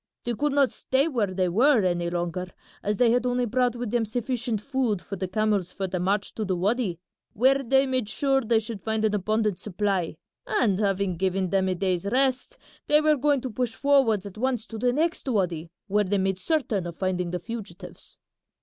They could not stay where they were any longer as they had only brought with them sufficient food for the camels for the march to the wady, where they made sure they should find an abundant supply, and having given them a day's rest they were going to push forwards at once to the next wady, where they made certain of finding the fugitives."